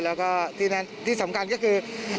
แล้วก็ที่สำคัญก็คือ